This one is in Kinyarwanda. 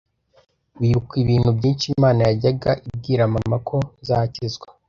bibuka ibintu byinshi Imana yajyaga ibwira mama ko nzakizwa,